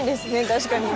確かに。